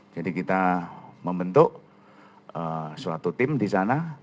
jadi kita membentuk suatu tim di sana